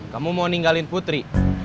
kamu mau ninggalin putri